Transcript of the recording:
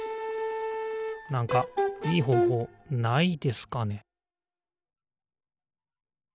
なんかいいほうほうないですかね